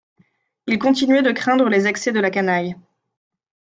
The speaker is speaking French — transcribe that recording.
Ils continuaient de craindre les excès de la canaille.